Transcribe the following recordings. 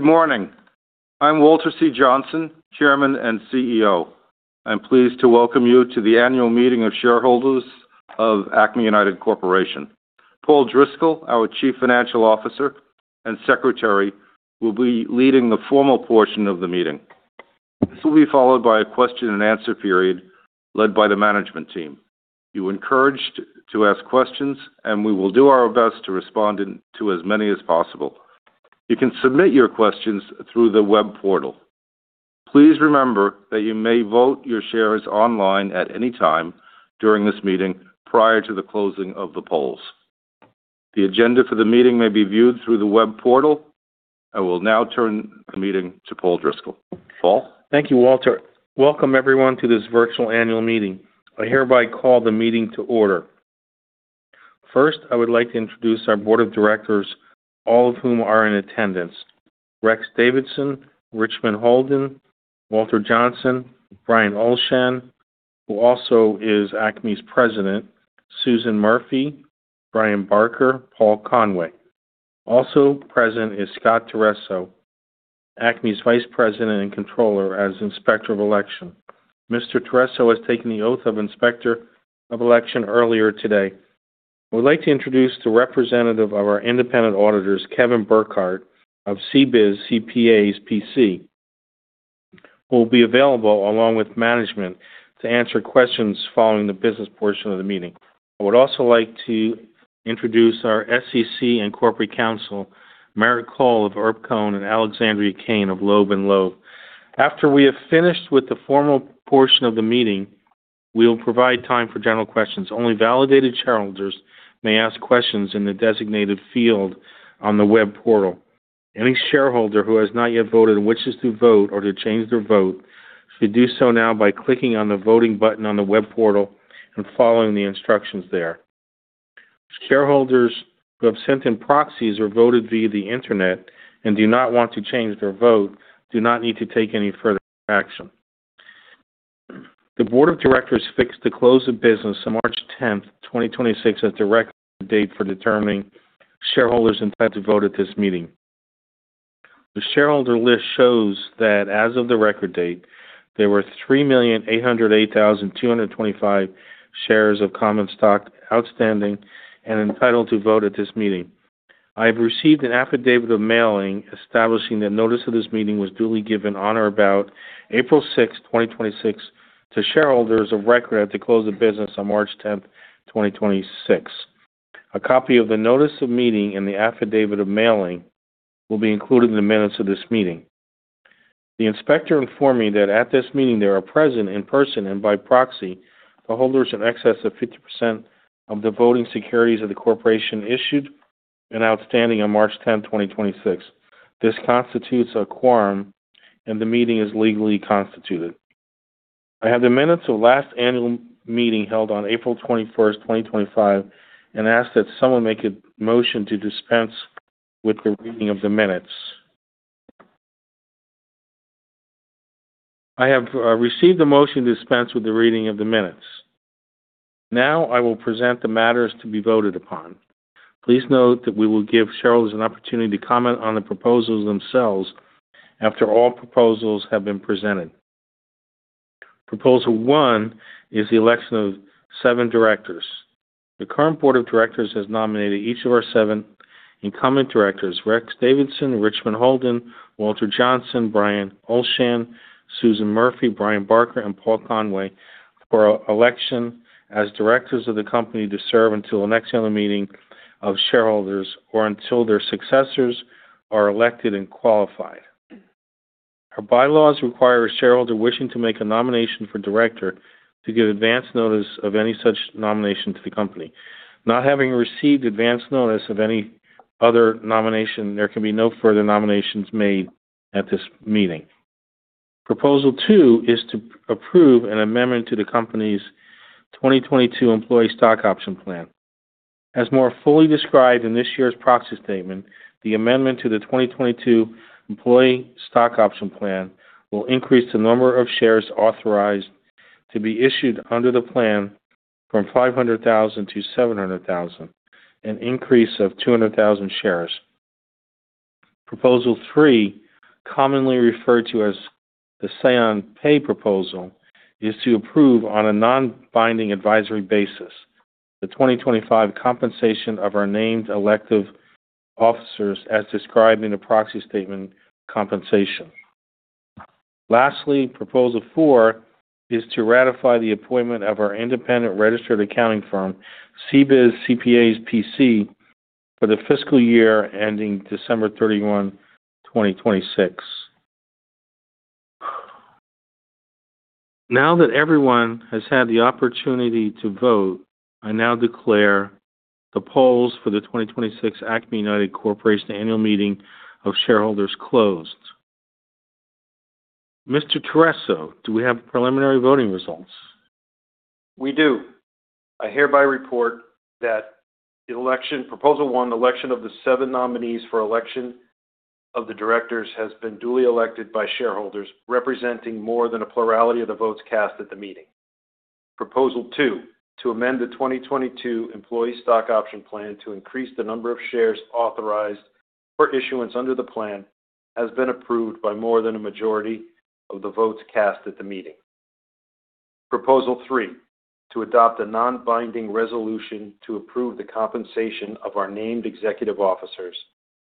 Good morning. I'm Walter C. Johnsen, Chairman and CEO. I'm pleased to welcome you to the annual meeting of shareholders of Acme United Corporation. Paul Driscoll, our Chief Financial Officer and Secretary, will be leading the formal portion of the meeting. This will be followed by a question-and-answer period led by the management team. You are encouraged to ask questions, and we will do our best to respond to as many as possible. You can submit your questions through the web portal. Please remember that you may vote your shares online at any time during this meeting prior to the closing of the polls. The agenda for the meeting may be viewed through the web portal. I will now turn the meeting to Paul Driscoll. Paul. Thank you, Walter. Welcome, everyone, to this virtual annual meeting. I hereby call the meeting to order. First, I would like to introduce our board of directors, all of whom are in attendance. Rex Davidson ,Richmond Holden, Walter Johnsen, Brian Olschan, who also is Acme's President, Susan Murphy, Brian Barker, Paul Conway. Also present is Scott Torreso, Acme's Vice President and Controller, as Inspector of Election. Mr. Torreso has taken the oath of Inspector of Election earlier today. I would like to introduce the representative of our independent auditors, Kevin Burkhardt of CBIZ CPAs, P.C., who will be available along with management to answer questions following the business portion of the meeting. I would also like to introduce our SEC and corporate counsel, Merrick Hall of Erb & Gershenson, and Alexandria Kane of Loeb & Loeb. After we have finished with the formal portion of the meeting, we will provide time for general questions. Only validated shareholders may ask questions in the designated field on the web portal. Any shareholder who has not yet voted and wishes to vote or to change their vote should do so now by clicking on the voting button on the web portal and following the instructions there. Shareholders who have sent in proxies or voted via the Internet and do not want to change their vote do not need to take any further action. The board of directors fixed the close of business on March 10, 2026 as the record date for determining shareholders entitled to vote at this meeting. The shareholder list shows that as of the record date, there were 3,808,225 shares of common stock outstanding and entitled to vote at this meeting. I have received an affidavit of mailing establishing that notice of this meeting was duly given on or about April 6, 2026 to shareholders of record at the close of business on March 10th, 2026. A copy of the notice of meeting and the affidavit of mailing will be included in the minutes of this meeting. The inspector informed me that at this meeting there are present in person and by proxy the holders of in excess of 50% of the voting securities of the corporation issued and outstanding on March 10th, 2026. This constitutes a quorum, and the meeting is legally constituted. I have the minutes of last annual meeting held on April 21st, 2025 and ask that someone make a motion to dispense with the reading of the minutes. I have received the motion to dispense with the reading of the minutes. Now I will present the matters to be voted upon. Please note that we will give shareholders an opportunity to comment on the proposals themselves after all proposals have been presented. Proposal one is the election of seven directors. The current board of directors has nominated each of our seven incumbent directors, Rex Davidson, Richmond Holden, Walter Johnsen, Brian Olschan, Susan Murphy, Brian Barker, and Paul Conway, for election as directors of the company to serve until the next annual meeting of shareholders or until their successors are elected and qualified. Our bylaws require a shareholder wishing to make a nomination for director to give advance notice of any such nomination to the company. Not having received advance notice of any other nomination, there can be no further nominations made at this meeting. Proposal two is to approve an amendment to the company's 2022 employee stock option plan. As more fully described in this year's proxy statement, the amendment to the 2022 employee stock option plan will increase the number of shares authorized to be issued under the plan from 500,000 to 700,000, an increase of 200,000 shares. Proposal three, commonly referred to as the say on pay proposal, is to approve on a non-binding advisory basis the 2025 compensation of our named executive officers as described in the proxy statement compensation. Lastly, proposal four is to ratify the appointment of our independent registered accounting firm, CBIZ CPAs, P.C., for the fiscal year ending December 31, 2026. Now that everyone has had the opportunity to vote, I now declare the polls for the 2026 Acme United Corporation Annual Meeting of Shareholders closed. Mr. Torreso, do we have preliminary voting results? We do. I hereby report that the election, Proposal one, election of the seven nominees for election of the directors, has been duly elected by shareholders representing more than a plurality of the votes cast at the meeting. Proposal two, to amend the 2022 employee stock option plan to increase the number of shares authorized for issuance under the plan has been approved by more than a majority of the votes cast at the meeting. Proposal three, to adopt a non-binding resolution to approve the compensation of our named executive officers,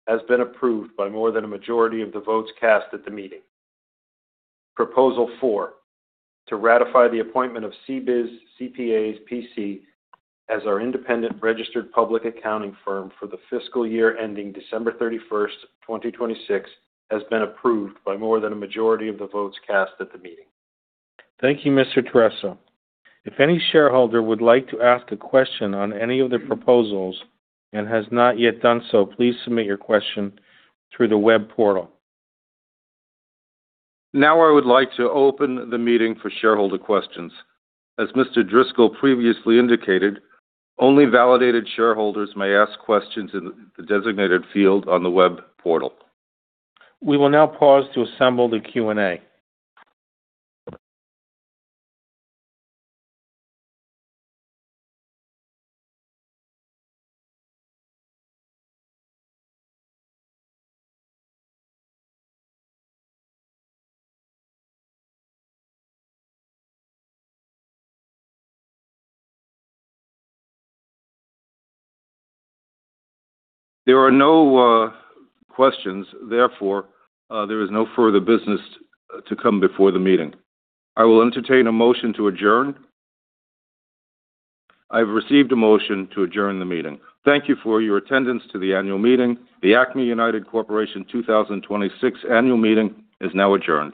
has been approved by more than a majority of the votes cast at the meeting. Proposal four, to ratify the appointment of CBIZ CPAs, P.C. as our independent registered public accounting firm for the fiscal year ending December 31st, 2026, has been approved by more than a majority of the votes cast at the meeting. Thank you, Mr. Torreso. If any shareholder would like to ask a question on any of the proposals and has not yet done so, please submit your question through the web portal. Now, I would like to open the meeting for shareholder questions. As Mr. Driscoll previously indicated, only validated shareholders may ask questions in the designated field on the web portal. We will now pause to assemble the Q and A. There are no questions, therefore, there is no further business to come before the meeting. I will entertain a motion to adjourn. I've received a motion to adjourn the meeting. Thank you for your attendance to the annual meeting. The Acme United Corporation 2026 annual meeting is now adjourned.